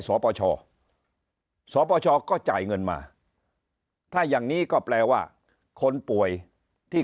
สปชสปชก็จ่ายเงินมาถ้าอย่างนี้ก็แปลว่าคนป่วยที่